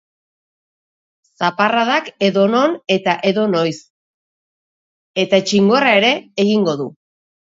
Zaparradak edonon eta edonoiz, eta txingorra ere egingo du.